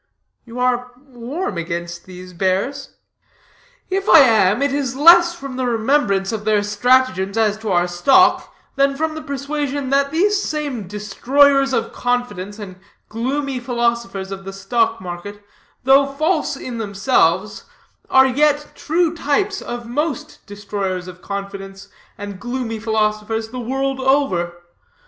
"You are warm against these bears?" "If I am, it is less from the remembrance of their stratagems as to our stock, than from the persuasion that these same destroyers of confidence, and gloomy philosophers of the stock market, though false in themselves, are yet true types of most destroyers of confidence and gloomy philosophers, the world over.